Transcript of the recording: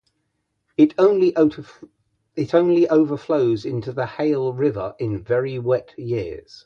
It only overflows into the Hale River in very wet years.